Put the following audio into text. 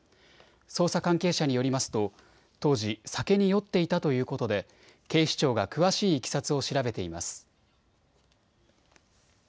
捜査関係者によりますと当時、酒に酔っていたということで警視庁が詳しいいきさつを調べています。